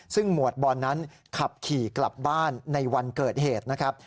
ซึ่งหมวดบอลนั้นขับขี่กลับบ้านในวันเกิดเหตุนะครับ